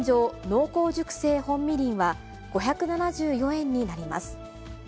濃厚熟成本みりんは５７４円になります。